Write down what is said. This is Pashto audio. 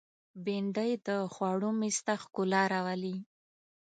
بېنډۍ د خوړو مېز ته ښکلا راولي